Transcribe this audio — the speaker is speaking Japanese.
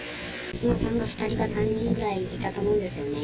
娘さんが２人か３人ぐらいいたと思うんですよね。